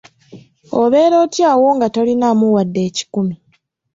Obeera otya awo nga tolinaamu wadde ekikumi?